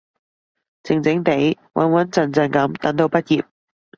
靜靜哋，穩穩陣陣噉等到畢業